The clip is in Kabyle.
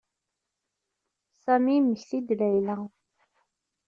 Sami yemmekti-d Layla.